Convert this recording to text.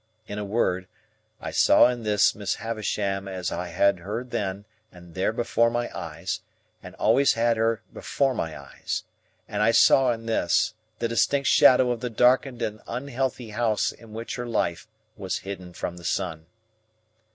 In a word, I saw in this Miss Havisham as I had her then and there before my eyes, and always had had her before my eyes; and I saw in this, the distinct shadow of the darkened and unhealthy house in which her life was hidden from the sun.